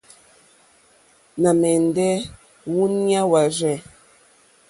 Nà mɛ̀ndɛ́ wúǔɲá wârzɛ̂.